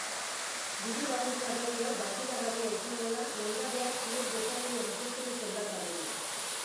Diru-laguntza berri hau bateragarria izango da langabeak lor dezakeen lanpostuko soldatarekin.